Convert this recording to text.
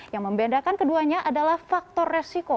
yang membedakan keduanya adalah faktor resiko